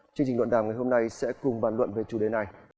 chương trình luận đàm ngày hôm nay sẽ cùng bàn luận về chủ đề này